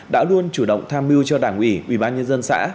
đã luôn chủ động tham mưu cho đảng ủy ủy ban nhân dân xã